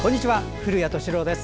古谷敏郎です。